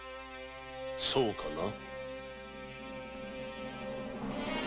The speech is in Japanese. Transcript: そうかな。